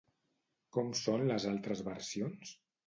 Com són les altres versions?